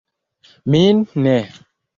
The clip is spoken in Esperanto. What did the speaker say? Min ne.